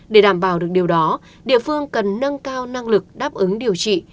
để đảm bảo được điều đó địa phương cần nâng cao năng lực đáp ứng điều trị